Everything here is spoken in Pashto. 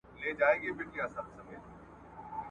د زده کوونکو نظرونو ته په تصمیم نیولو کي ارزښت نه ورکول کيده.